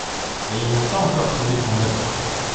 Et ils n'ont pas encore trouvé de vendeur!